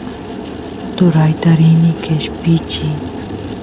turayta rini qeshpichiy